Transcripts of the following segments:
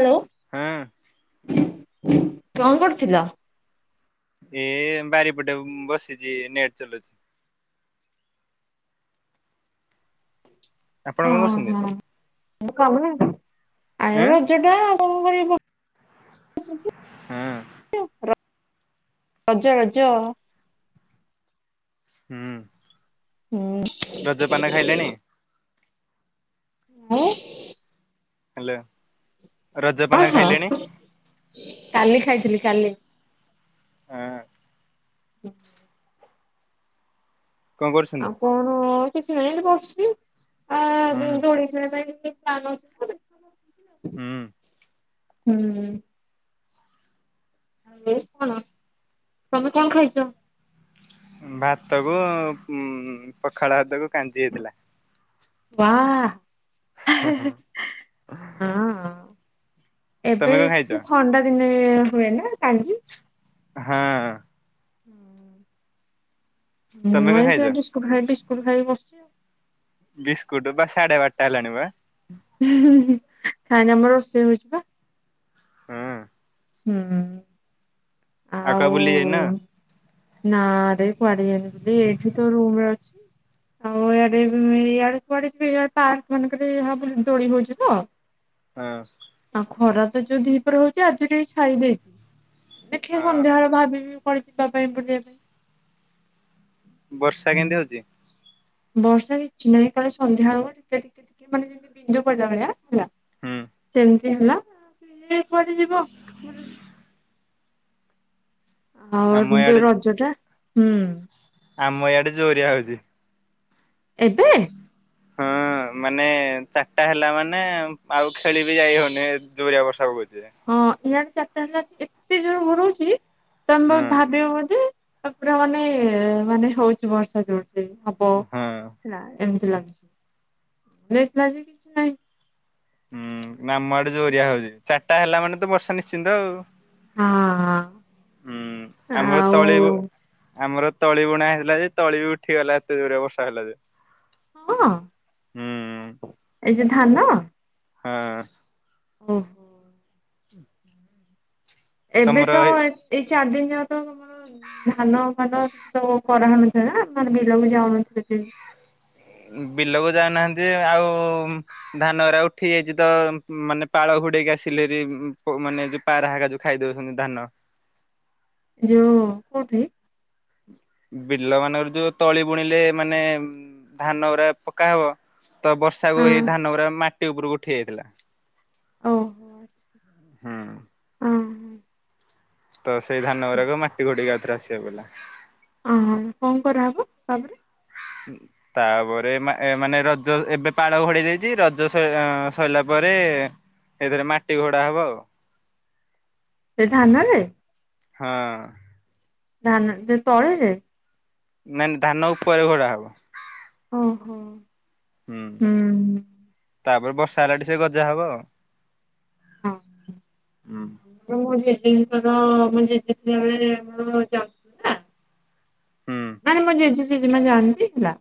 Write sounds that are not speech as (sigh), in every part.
Hello. ହଁ। କଣ କରୁଥିଲ? ଏ ବାରିପଟେ ବସିଛି ନେଟ୍ ଚଲୁଛି। ଆପଣ କଣ କରୁଛନ୍ତି? ଆଁ (unintelligible) ହଁ। ର ରଜ ରଜ। ହୁଁ ହୁଁ ରଜପାନ ଖାଇଲେଣି। ଆଁ ହେଲୋ ରଜପାନ ହଁ ଖାଇଲେଣି। କାଲି ଖାଇଥିଲି କାଲି। ହଁ। କଣ ଆଉ କରୁଛନ୍ତି? କଣ କିଛି ନାହିଁ ଏଠି ବସଛି ଆ ହୁଁ ଯୋଉ ଦୋଳି ଖେଳିଆ ପାଇଁ ଟିକେ (inaudible) ହୁଁ ହୁଁ। (unintelligible) କଣ ତମେ କଣ ଖାଇଚ? ଭାତ କୁ ଉଁ ପଖାଳ ଭାତକୁ କାଞ୍ଜି ହେଇଥିଲା। ବା। ହଁ ତମେ ଏବେ କଣ ଖାଇଛ? ହେଇଛି ଥଣ୍ଡା ଦିନେ ହୁଏ ନା କାଞ୍ଜି? ହଁ। ହୁଁ ତମେ ମୁଁ କଣ ଆଉ ଖାଇଛ? ସେ ବିସ୍କୁଟ ଖାଇ ବିସ୍କୁଟ ଖାଇ ବସଚି। ବିସ୍କୁଟ ବା ସାଡେ ବାରଟା ହେଲାଣି ବା। ହୁଁ ହୁଁ ଖାଇନି ଆମ ରୋଷେଇ ହଉଚି ବା। ହୁଁ। ହୁଁ ହୁଁ। ଆଉ କା ବୁଲି ଯାଇନ? ନା ରେ କୁଆଡେ ଯାଇନଥିଲି ଏଇଠି ତ ରୁମ ରେ ଅଛି। ଆଉ ଇଆଡେ ବି ଇଆଡେ କୁଆଡେ ପି ପାର୍କ ମାନଙ୍କରେ ହା ବୁଲି ଦୋଳି ପଡିଚି ତ। ହଁ। ଆଉ ଖରା ତ ଯୋଉ ଦିପହରେ ହଉଚି ଆଜି ଟିକେ ଛାଇ ଦେଇଚି ଦେଖିଆ ହଁ ସନ୍ଧ୍ୟାବେଳେ ଭାବିବି। କୁଆଡେ ଯିବା ପାଇଁ ବୁଲିବା ପାଇଁ। ବର୍ଷା କେମତି ହଉଛି? ବର୍ଷା ହେଇଚି ନାହିଁ କାଲି ସନ୍ଧ୍ୟାବେଳୁ ଟିକେ ଟିକେ ଟିକେ ମାନେ ଯେମତି ବିନ୍ଦୁ ପଡିଲା ଭଳିଆ ହେଲା ହୁଁ ସେମତି ହେଲା ଆଉ କିଏ କୁଆଡେ ଯିବ ବୁଲି ଆଉ ଆମ କିନ୍ତୁ ଇଆଡେ ରଜ ଟା ହୁଁ। ଆମ ଇଆଡେ ଜୋରିଆ ହଉଚି। ଏବେ? ହଁ। ହଁ ମାନେ ଚାରଟା ହେଲା ମାନେ ଉଁ ଆଉ ଖେଳି ବିି ଯାଇ ହଉନି ଜୋରିଆ ବର୍ଷା ପକଉଚି ଯେ। ହଁ ଇଆଡେ ଚାରଟା ହେଲା (inaudible) ଏତେ ଜୋରେ ଘୋରଉଚି ତମେ ହୁଁ ଭାବିବ ବୋଧେ ଏ ପୁରା ମାନେ ମାନେ ହଉଚି ବର୍ଷା ଜୋରସେ ହ ହଁ। ହେଲା ଏମତି ଲାଗୁଚି ଦେଖିଲା ବେଳକୁ କିଛି ନାହିଁ। ହୁଁ ନା ଆମ ଆଡେ ଜୋରିଆ ହଉଚି ଚାରଟା ହେଲା ମାନେ ତ ବର୍ଷା ନିଶ୍ଚିନ୍ତ ଆଉ। ହଁ ହୁଁ ଆମର ଆଉ ତଳି ବ ଆମର ତଳି ବୁଣା ହେଇଥିଲା ଯେ ତଳି ବି ଉଠିଗଲା ଏତେ ଜୋରେ ବର୍ଷା ହେଲା ଯେ। ହଁ ହୁଁ ଏଇ ଯୋଉ ଧାନ? ହଁ। ଓହୋ। ଏବେ ତମର ତ ଏ-ଏଇ ଚାର ଦିନି ଯାକ ତ ତମର ଧାନ ଫାନ କିଛି ତ ଆଉ କରାହଉନଥିବ ନା ମାନେ ବିଲକୁ ଯାଉନଥିବେ କେହି। ବିଲ କୁ ଯାଉନାହାନ୍ତି ଆଉ ଧାନ ଗୁରା ଉଠି ଯାଇଚି ତ ଉ ମାନେ ପାଳ ଘୁଡେଇକି ଆସିଲି ଭାରି ଉ ପ ମାନେ ଯୋଉ ପାରା ହାରିକା ଯୋଉ ଖାଇ ଦଉଛନ୍ତି ଧାନ। ଯୋଉ କୋଉଠି? ବିଲ ମାନଙ୍କରେ ଯୋଉ ତଳି ବୁଣିଲେ ମାନେ ଉଁ ଧାନ ଗୁରା ପକା ହବ ତ ବର୍ଷା କୁ ଏଇ ହଁ। ଧାନ ଗୁରା ମାଟି ଉପୁରୁକୁ ଉଠିଯାଇଥିଲା। ହୁଁ। ହଁ, ତ ସେଇ ଧାନ ଗୁରାକ ମାଟି ଘୋଡ଼େଇକି ଆଉ ଥରେ ଆସିବାକୁ ପଇଲା। ଓହୋ କଣ କରାହବ ତାପରେ? ତାପରେ ଏ ମାନେ ରଜ ଏବେ ପାଳ ଘୋଡ଼ାଯାଇଚି ଦେଇଛି ରଜ ଅଁ ସଇ ସଇଲା ପରେ ହେଇଥେରେ ମାଟି ଘୋଡା ହବ ଆଉ। ସେ ଧାନରେ? ହଁ ଅଁ। ଧାନ ଯୋଉ ତଳିରେ? ମେନ ଧାନ ଉପରେ ଘୋଡା ହବ। ଓହୋ! ହୁଁ। ତାପରେ ବର୍ଷା ହେଲାଠୁ ସିଏ ଗଜା ହବ ଆଉ। ହୁଁ। ମୁଁ ଜେଜେଙ୍କର ମୋ ଜେଜେଥିଲା ବେଳେଆମର ଜା ହୁଁ ମାନେ ମୋ ଜେଜେ ଜେଜେମା ଜାଣନ୍ତି ହେଲା।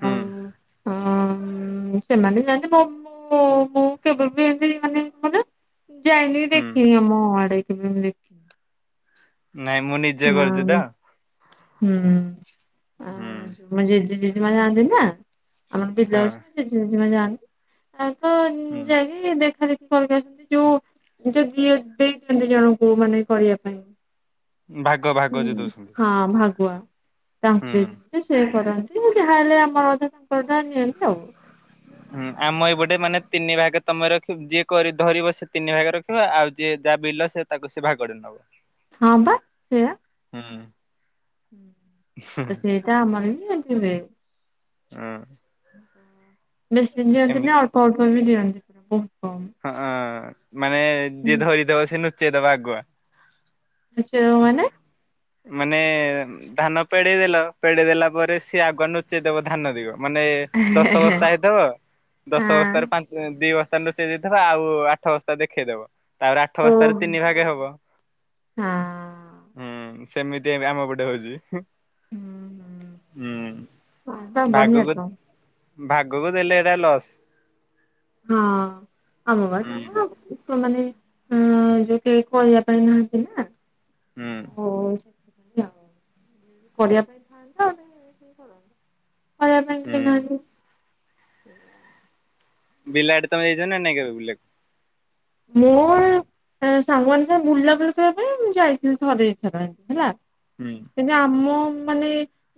ହୁଁ ହଁ ସେମାନେ ଯାଆନ୍ତି ମୋ ବୋଉ କେବେ ବି ହିନ୍ତି ମାନେ ମାନେ ଯାଇନି ହୁଁ। ଦେଖିନି ଆମ ଆଡ଼େ କେବେ ଦେଖିନି। ନାଇଁ ମୁଁ ନି ହଁ ହୁଁ ହୁଁ ମୋ ଜେଜ ଜେଜି ମା ଯାଆନ୍ତି ନା ଆମର ବିଲ ହଁ ଅଛି ସେ ଜେଜେ ଯେଜିମା ଯାଆନ୍ତି ଆଉ ତ ହୁଁ। ଯାଇକି ଦେଖା ଦେେଖି କରିକି ଆସନ୍ତି ଯୋଉ ଯଦି ଦେଇ ଦିଅନ୍ତି ଜଣଙ୍କୁ ମାନେ କରିବା ପାଇଁ। ଭାଗ ଭା ହଁ ଭାଗୁଆ ତାଙ୍କୁ ହୁଁ। ଦିଅନ୍ତି ସିଏ କରନ୍ତି ଯାହାହେଲେ ଆମର ଅଧା ତାଙ୍କର ଅଧା ନିଅନ୍ତି ଆଉ ହୁଁ ଆମ ଏଇ ପଟେ ମାନେ ତିନି ଭାଗେ ତମେ ରଖିବ ଯିଏ ଧରିବ ସେ ତିନି ଭାଗେ ରଖିବ ଆଉ ଯିଏ ଯାହା ବିଲ ସେ ତାକୁ ସେ ଦ୍ଭାଗ ଟେ ନବ ହଁ ପା ସେୟା ହୁଁ। ସେଇଟା ଆମର ବି ଏମିତି ହୁଏ। ହଁ। ବେଶୀ ଦିଅନ୍ତି ଏମିତି ନା ଅଳ୍ପ ଅଳ୍ପ ବି ଦିଅନ୍ତି ବହୁତ କମ ହଁ ମାନେ ଯିଏ ଧରିଦବ ସେ ନୁଚେଇଦବ ଆଗୁଆ ଯେଉ ମାନେ ମାନେ ଧାନ ପେଡେଇଦେଲ ପେଡେଇ ଦେଲା ପରେ ସିଏ ଆଗୁଆ ନୁଚେଇଦବ ଧାନ ତିକ ମାନେ ଦଶ ହଁ ବସ୍ତା ହେଇଥବ ଦଶ ବସ୍ତାରୁ ପା ଦି ବସ୍ତା ନୁଚେଇ ଦେଇଥିବ ଆଉ ଆଠ ବସ୍ତା ଦେଖେଇଦବ ତାପରେ ଆଠ ବସ୍ତାରେ ଓହୋ। ତିନି ଭାଗେ ହବ ହଁ। ହୁଁ ସେମିତି ଆମ ଏବେ ପଟେ ହଉଛି ହୁଁ ହୁଁ ହୁଁ ବା ବଢିଆ ଭାଗକୁ ତ। ଭାଗକୁ ଦେଲେ ଏଟା ଲସ୍ ହଁ ଆଉ ମବାଜ ହୁଁ ତ ମମାନେେ (unintelligible) ହୁଁ ଯୋଉ କେହି କହିବା ପାଇଁ ନାହାଁନ୍ତି ନା ହୁଁ। ହ ସେଥିପାଇଁ ଆଉ କରିବା ପାଇଁ ଥାନ୍ତା ଆଉ କରନ୍ତା (unintelligible) କହିବା ପାଇଁ କେହି ହୁଁ ନାହାଁନ୍ତି। ବିଲ ଆଡେ ତମେ ଯାଇଛ ନା ନାଇଁ କେବେ ବୁଲିବାକୁ? ମୁଁ ସାଙ୍ଗମାନଙ୍କ ସାଙ୍ଗେ ବୁଲାବୁଲି କରିବା ପାଇଁ ମୁଁ ଯାଇଥିଲି ଥରେ ଦିଥର ହେଲା ହୁଁ। କିନ୍ତୁ ଆମ ମାନେ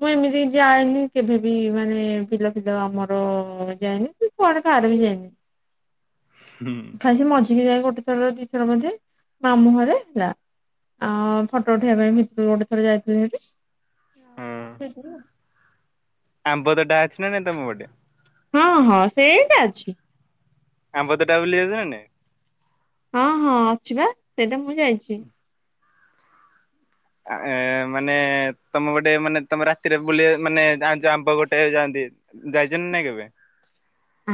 ମୁଁ ଏମିତି ଯାଏନି କେଭେବିି ମାନେ ବିଲଫିଲ ଆମର ଯାଏନି କି କୁଆଡେ କାହାର ବି ଯାଇନି ହୁଁ। ସେ ସେ ମଜା (unintelligible) ଯାଇ ଗୋଟେ ଥର ଦିଥର ମଧ୍ୟ ମାମୁଁରେ ହେଲା ଆଉ ଫଟୋ ଉଠେଇ ପାଇଁ ଭିତରୁ ଗୋଟେ ଥର ଯାଇଥିଲି ହଁ ସେଠି ଆମ୍ବ ତୋଟା ଅଛି ନା ନାଇ ତମ ପଟେ ହଁ ହଁ ସେଇଟା ଅଛି ଆମ୍ବ ତୋଟା ବୁଲି ବାକୁ ଯାଉନି ହଁ ହଁ ଅଛି ବା ସେଇଟା ମୁଁ ଯାଇଛି ମାନେ ତମେ ଗୋଟେ ମାନେ ତମେ ରାତିରେ ବୁଲ ମାନେ ଆ ଆମ୍ବ ଗୋଟେ ଯାଆନ୍ତି ଯାଇଛନ୍ତି ନାଇଁ କେବେ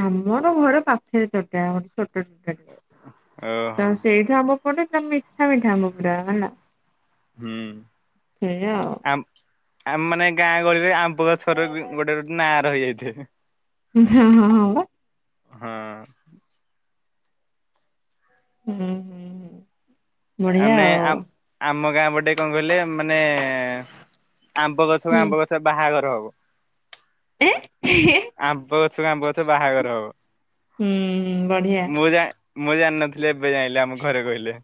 ଆମର ଘର ପାଖରେ ତୋଟା ଛୋଟ ତୋଟା ଓହୋ ତ ସେଇଠି ଯୋଗ ଆମ୍ବ ପଡ଼େ ମିଠା ମିଠା ଆମ୍ବ ପୁରା ହୁଁ ସେଇଆ ଆଉ। ଆ ଆ ମାନେ ଗାଁ ଗହଳିରେ ଆମ୍ବ ଗଛର ଗୋଟେ ନା ରହିଯାଇଥିବେ। ହଁ ହଁ ହଁ ହଁ ହୁଁ ହୁଁ ହୁଁ ବଢିଆ ମାନେ ଆଉ। ଆମ ଗାଁ ଗୋଟେ କଣ କହିଲେ ମାନେ ଆମ୍ବ ଗଛ ହୁଁ ବା ଆମ୍ବ ଗଛ ବାହାଘର ହେବ। (unintelligible) ଆମ୍ବ ଗଛ କୂ ଆମ୍ବ ଅଛୁ ବାହାଘର ହବ। ହୁଁ ବଢିଆ ମୁଁ ଯାଏ ମୁଁ ଜାଣିିନଥିଲି ଏବେ ଜାଇଁଲି ଆମ ଘରେ କହିଲେ।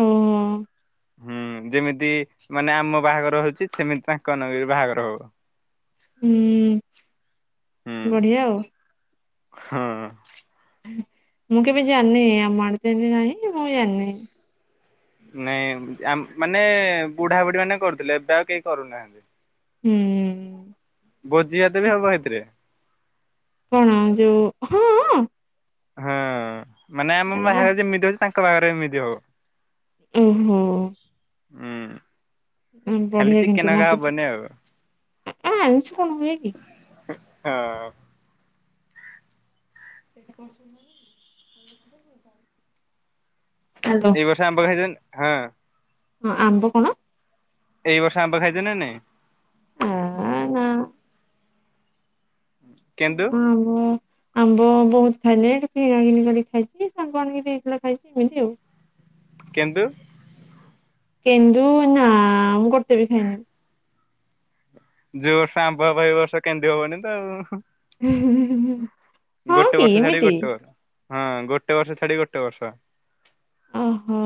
ଓହୋ। ହୁଁ, ଯେମିତି ମାନେ ଆମ ବାହାଘର ହଉଛି ସେମିତି ତାଙ୍କ ମାନଙ୍କ ବି ବାହାଘର ହବ। ହୁଁ ହୁଁ ବଢିଆ ଆଉ। ହଁ ମୁଁ କେବେ ଜାଣିନି ଆମଡ ନାହିଁ ମୁଁ ଜାଣିନି ନାଇଁ ମାନେ ବୁଢାବୁଢୀ ମାନେ କରୁଥିଲେ ଏବେ ଆଉ କେହି କରୁନାହାନ୍ତି। ହୁଁ ଭୋଜି ହାତେ ବି ହବ ସେଇଥିରେ କଣ ଯୋଉ ହଁ ହଁ ମାନେ ଆମ ଆରେ ବା ବାହାଘରେ ଯେମିତି ହଉଛି ତାଙ୍କ ବାଖରେ ଏମିତି ହବ ଓହୋ ହୁଁ ଖାଲିଛି ବଢିଆ କିନ୍ତୁ ଚିକେନ ହେରା ମତେ ତ ହବନି ଆ ଆଇଁଷ ଅଉ କଣ ହୁଏ କି? ହଁ ଆଜ ବର୍ଷା ଆମ୍ବ ଖାଇବନି ହଁ। ହଁ ଆମ୍ବ କଣ? ଏଇର୍ଷ ଆମ୍ବା ଖାଇଛ ନା ନାଇ? ହ ନା। କେନ୍ଦୁ? ଆମ୍ବ ଆମ୍ବ ବହୁତ ଖାଇଲେ ଟିକେ କିଣା କିଣି କର ଖାଇଛି ସାଙ୍ଗମାନେ ବବି ଦେଇଥିଲେ ଖାଇଛି ଏମିତି ଆଉ। କେନ୍ଦୁ? କେନ୍ଦୁ ନା ମୁଁ ଗୋଟାବି ଖାଇନିି। ଯୋଉ ବର୍ଷ ଆମ୍ୱ ହବ ଏଇ ବର୍ଷ କେନ୍ଦୁ ହବନି ତ ଆଉ। ହଁ ଗୋଟେ କି ବର୍ଷ ଛାଡି ଏମିତି ଗୋଟେ ବର୍ଷ। ହଁ ଗୋଟେ ବର୍ଷ ଛାଡି ଗୋଟେ ବର୍ଷ। ଓହୋ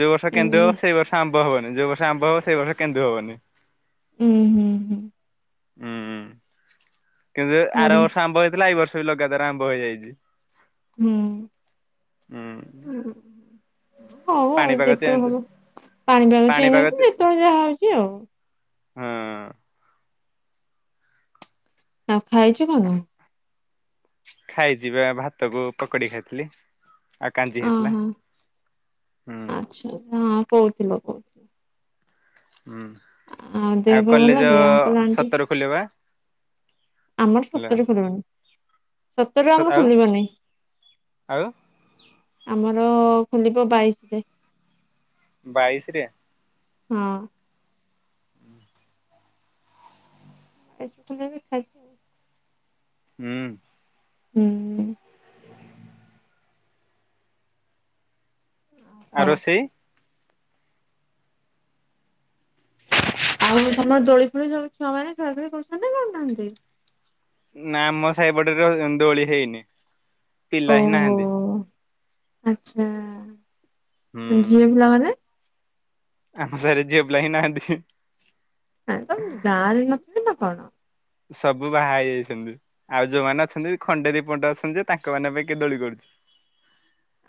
ଯେଉ ବର୍ଷ କେନ୍ଦୁ ଏମିତି ହବ ସେଇ ବର୍ଷ ଆମ୍ବ ହବନି ଯଉ ବର୍ଷ ଆମ୍ୱ ହବ ସେଇ ବର୍ଷ କେନ୍ଦୁ ହବନି। ହୁଁ, ହୁଁ, ହୁଁ ହୁଁ କିନ୍ତୁ ଆର ବଢିଆ ବର୍ଷ ଆମ୍ୱ ହେଇଥିଲା ଏଇ ବର୍ଷ ବି ଲଗାତାର ଆମ୍ୱ ହେଇଯାଇଛି। ହୁଁ ହୁଁ ହୁଁ (unintelligible) ପାଣିପାଗ ଯେତେବେଳେ ଚେଞ୍ଜ ହବ ପାଣି ପାାଗ ଚେଞ୍ଜ ପାଣିପାଗ ହେଉଚି। ଯେତେବେଳେ ଯାହା ହଉଚି ଆଉ। ହୁଁ ଆଉ ଖାଇଚୁ କଣ? ଖାଇଚିବା ଭାତକୁ ପକୁଡି ଖାଇଥିଲି। ଆ କାଞ୍ଜିି ହେଥିଲା। ଓହୋ। ହୁଁ ଆଚ୍ଛା ହଁ କହୁଥିଲ କହୁଥି ହୁଁ ଦେହ ଆଉ ପା ଭଲ କଲେଜ ଯେ ଅଙ୍କଲ ଆଣ୍ଟି? ସତର ଖୋଲିବ ବା ଆମର ହେଲା ସତରେ ଖୋଲିବନି। ସତର ରେ ଆମର ଆଉ ଖୋଲିବନି। ଆଉ ଆମର ଖୋଲିବ ବାଇଶ ରେ ବାଇଶ ରେ? ହଁ ଆଜି ସ୍କୁଲ ଜାଇଥିଲି ଖା ହୁଁ ହୁଁ ଆଉ କଣ ରୋଷେଇ ଆଉ ତମର ଦୋଳି ଫୋଳି ସବୁ ଛୁଆ ମାନେ ଖେଳା ଖେଳି କରୁଛନ୍ତି ନା କରୁ ନାହାନ୍ତି? ନା ଆମ ସାହିପଟେରେ ଦୋଳି ହେଇନି। ପିଲା ଓ ହିଁ ହୋ ନାହାନ୍ତି। ଆଚ୍ଛା ହୁଁ ଝିଅ ପିଲାମାନେ। ଆମ ସାହିରେ ଝିଅ ପିଲା ହିଁ ନାହାନ୍ତି। ଆରେ ତମ୍ ଗାଁରେ ନଥିଲେ ନା କଣ? ସବୁ ବାହା ହେଇ ଯାଇଚନ୍ତି? ଆଉ ଯୋଉମାନେ ଅଛନ୍ତି ଖଣ୍ଡେ ଦୀପଟ ଅଛନ୍ତି ଯେ ତାଙ୍କ ମାନେ ପାଇଁ କେଏ ଦୋଳି କରୁଚି।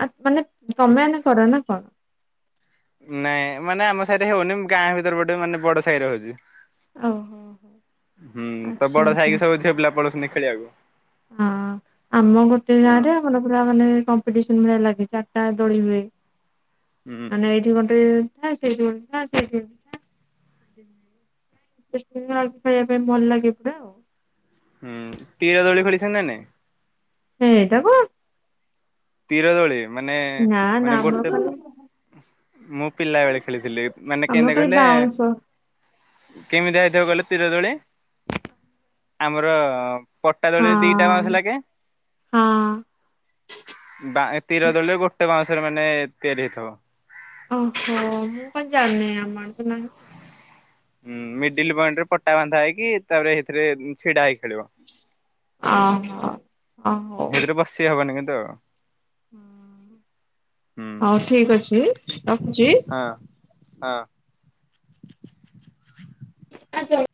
ଆତ ମାନେ ତମେ ଆମେ କର ନା କଣ? ନାଇଁ ମାନେ ଆମ ସାହିରେ ହିଁ ହୋଉନି ଗାଁ ଭିତରେ ପଟେ ମାନେ ବଡ ସାହି ଆଡେ ହୋଉଚି। ଓହୋ ହୋ ହୁଁ ତ ଆଚ୍ଛା ବଡ ଆଚ୍ଛା ସାଇକି ସବୁ ଝିଅ ପିଲା ପଳଉଚନ୍ତିି ଖେଳିବାକୁ। ହଁ ଆମ ଗୋଟେ ଗାଁ ହଁ ରେ ଆମର ପୁରା ମାନେ କମ୍ପିଟିସନ ଭଳିଆ ଲାଗେ ଚାରିଟା ଦୋଳି ହୁଏ। ହୁଁ ଆ ଏଇଠି ଗୋଟେ ଲା ସେଠ ଲା ସେଠ ଲା (unintelligible) ହୁଁ ତୀଳ ଦୋଳି ଫୋଳି (unintelligible) ସେ ଟାକୁ ତୀର ଦୋଳି ମାନେ ନା ନା ମାନେ ଆମର ଗୋଟେ ଖାଲି ମୁଁ ପିଲା ବେଳେ ଖେଳିଥିଲି ମାନେ ଆମର କିମଦା ଖାଲି କହିଲେ ବାଉଁଶ କେମିତିଆ ହେଇଥିବ କହିଲେ ତୀରଦୋଳି? ଆମର ପଟା ଦୋଳିରେ ଦିଟା ହଁ ବାଉଁଶ ଲାଗେ। ହଁ ବା ତୀର ଦୋଳି ରେ ଗୋଟେ ବାଉଁଶରେ ମାନେ ତିଆରି ହେଇଥିବ। ଓ ହୋ ମୁଁ କାଇଁ ଜାଣିନି ଆମ ଆଡେ ତ ନାହିଁ। ହୁଁ ମିଡିଲ ପଏଣ୍ଟ ରେ ପଟା ବାନ୍ଧା ହେଇକି ତାପରେ ଏଇଥିରେ ଛିଡା ହେଇକି ଖେଳିବ। ଅ ହ ସେଇଥିରେ ବସି ହବନି କିନ୍ତୁ ଆଉ। ହୁଁ ହୁଁ ହଉ ଠିକ ଅଛି ରଖୁଚି। ହଁ ହଁ (unintelligible)